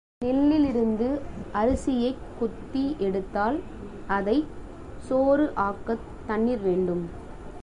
நெல்லிலிருந்து அரிசியைக் குத்தி எடுத்தால் அதைச் சோறு ஆக்கத் தண்ணீர் வேண்டும்.